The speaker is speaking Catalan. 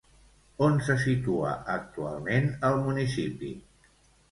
On se situa actualment el municipi?